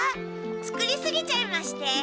作りすぎちゃいまして。